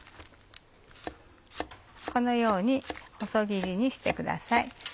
このように細切りにしてください。